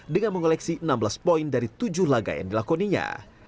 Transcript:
dengan mengoleksi enam belas poin dari tujuh laga yang dilakoninya